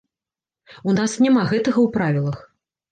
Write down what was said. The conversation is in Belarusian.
У нас няма гэтага ў правілах.